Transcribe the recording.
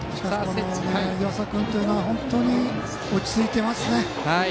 湯浅君は本当に落ち着いていますね。